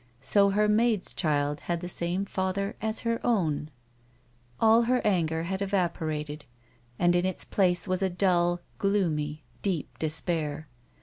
So her maid's child had the same father as her own ! All her anger had evaporated and in its place was a dull, gloomy deep despair.